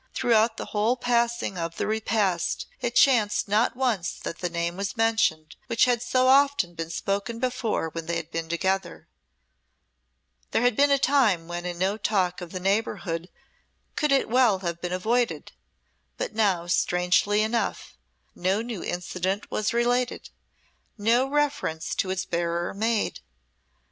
Throughout the whole passing of the repast it chanced not once that the name was mentioned which had so often been spoke before when they had been together; there had been a time when in no talk of the neighbourhood could it well have been avoided, but now, strangely enough, no new incident was related, no reference to its bearer made.